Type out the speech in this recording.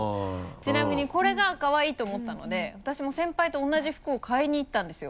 ちなみにこれがかわいいと思ったので私も先輩と同じ服を買いに行ったんですよ。